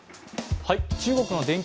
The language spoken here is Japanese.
中国の電気